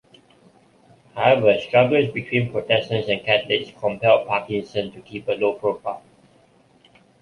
However, struggles between Protestants and Catholics compelled Parkinson to keep a low profile.